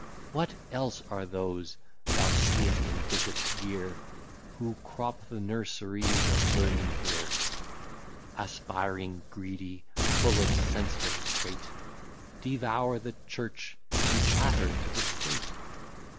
What else are those thou seest in bishop's gear, Who crop the nurseries of learning here; Aspiring, greedy, full of senseless prate, Devour the church, and chatter to the state?